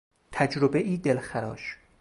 تجربهای دلخراش